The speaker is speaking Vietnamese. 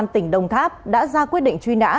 công an tỉnh đồng tháp đã ra quyết định truy nã